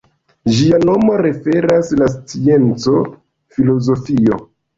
Ĝia nomo referas la scienco filozofio.